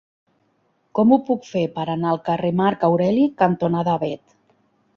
Com ho puc fer per anar al carrer Marc Aureli cantonada Avet?